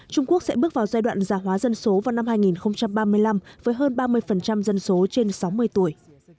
trung quốc sẽ bước vào giai đoạn giả hóa dân số vào năm hai nghìn ba mươi năm với hơn ba mươi dân số trên sáu mươi tuổi